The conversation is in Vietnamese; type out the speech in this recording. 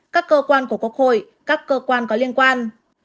các cơ quan của quốc hội các cơ quan có liên quan